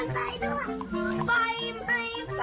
ฉีดได้แล้วนะ